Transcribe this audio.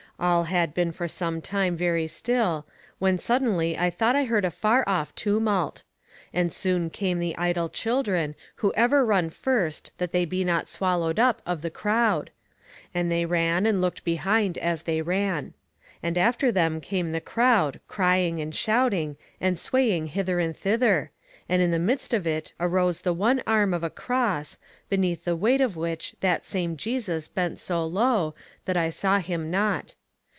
All had been for some time very still, when suddenly I thought I heard a far off tumult. And soon came the idle children, who ever run first that they be not swallowed up of the crowd; and they ran and looked behind as they ran. And after them came the crowd, crying and shouting, and swaying hither and thither; and in the midst of it arose the one arm of a cross, beneath the weight of which that same Jesus bent so low that I saw him not.